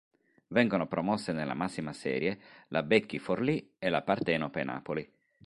Vengono promosse nella massima serie la Becchi Forlì e la Partenope Napoli.